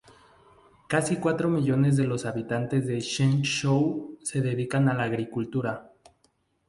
Casi cuatro millones de los habitantes de Zhengzhou se dedican a la agricultura.